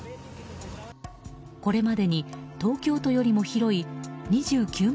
これまでに東京都よりも広い２９万